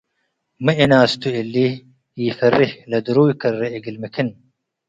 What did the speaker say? ሚ እናስቱ እሊ ኢፈርህ ለድሩይ ከሬ እግል ምክን